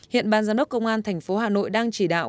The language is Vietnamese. hiện ban giám đốc công an tp hà nội đang chỉ đạo